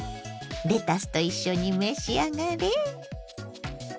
レタスと一緒に召し上がれ。